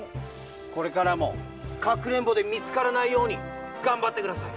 これからもかくれんぼでみつからないようにがんばってください！